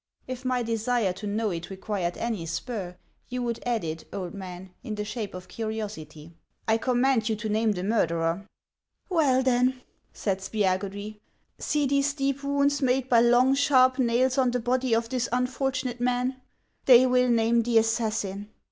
" If my desire to know it required any spur, you would add it, old man, in the shape of curiosity. I command you to name the murderer." " Well, then," said Spiagudry, " see these deep wounds, made by long, sharp nails on the body of this unfortunate man. They will name the assassin."